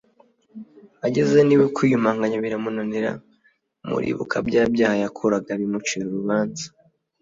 ageze n’iwe kwiyumanganya biramunanira (muribuka bya byaha yakoraga bimucira urubanza).